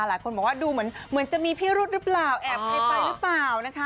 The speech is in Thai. หลายคนบอกว่าดูเหมือนจะมีพิรุษหรือเปล่าแอบใครไปหรือเปล่านะคะ